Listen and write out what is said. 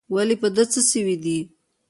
ولي په ده څه سوي دي؟